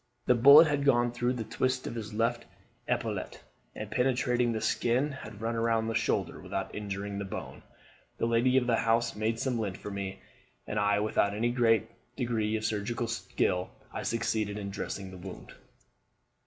The bullet had gone through the twists of the left epaulette, and penetrating the skin, had run round the shoulder without injuring the bone. The lady of the house made some lint for me; and without any great degree of surgical skill I succeeded in dressing the wound.